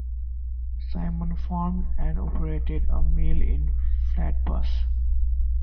Simon farmed and operated a mill in Flatbush.